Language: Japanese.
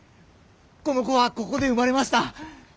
この子はここで生まれました。